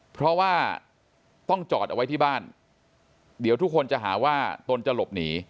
เพราะว่าต้องจอดเอาไว้ที่บ้านเดี๋ยวทุกคนจะหาว่าตนจะหลบหนี